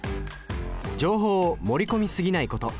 情報を盛り込み過ぎないこと。